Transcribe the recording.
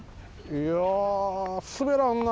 いやすべらんな。